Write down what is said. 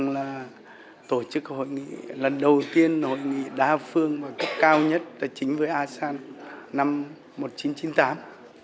lần đầu tiên hội nghị đa phương và cấp cao nhất là chính với asean năm một nghìn chín trăm chín mươi tám